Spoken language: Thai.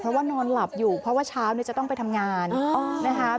เพราะว่านอนหลับอยู่เพราะว่าเช้าเนี่ยจะต้องไปทำงานนะคะ